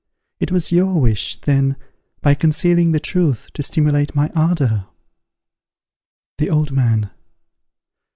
It was your wish, then, by concealing the truth to stimulate my ardour? _The Old Man.